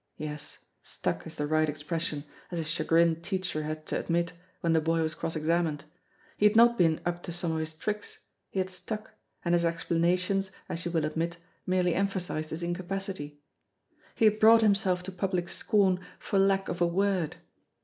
Yes, stuck is the right expression, as his chagrined teacher had to admit when the boy was cross examined. He had not been "up to some of his tricks," he had stuck, and his explanations, as you will admit, merely emphasized his incapacity. He had brought himself to public scorn for lack of a word.